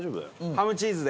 ハムチーズで！